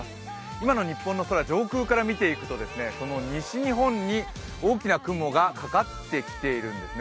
今の日本の空、上空から見ていくと西日本に大きな雲がかかってきているんですね。